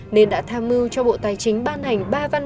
nên đã tham mưu cho bộ tài chính ban hành ba văn bản